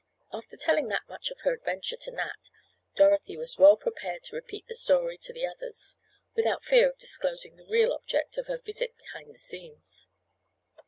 After telling that much of her adventure to Nat, Dorothy was well prepared to repeat the story to the others, without fear of disclosing the real object of her visit behind the scenes.